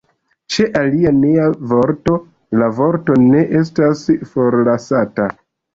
Ĉe alia nea vorto la vorto ne estas forlasata.